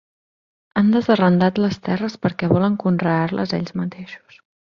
Han desarrendat les terres perquè volen conrear-les ells mateixos.